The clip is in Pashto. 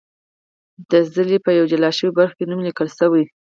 د څلي په یوه جلا شوې برخه کې نوم لیکل شوی.